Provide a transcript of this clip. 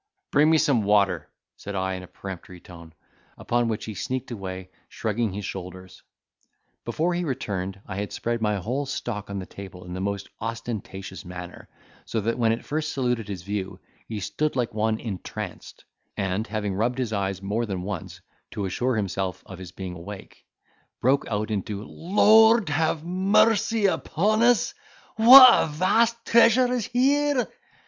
"Bring me some water!" said I, in a peremptory tone; upon which he sneaked away shrugging his shoulders. Before he returned, I had spread my whole stock on the table in the most ostentatious manner; so that, when it first saluted his view, he stood like one entranced; and, having rubbed his eyes more than once, to assure himself of his being awake, broke out into, "Lord have mercy upon us, what a vast treasure is here!"